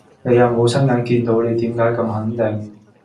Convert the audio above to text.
你又冇親眼見到，你點解咁肯定